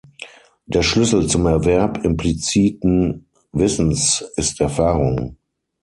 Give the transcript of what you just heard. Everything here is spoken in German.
Der Schlüssel zum Erwerb impliziten Wissens ist Erfahrung.